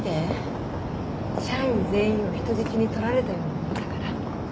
社員全員を人質に取られたようなものだから。